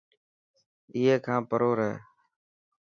اي کان پرو رهي.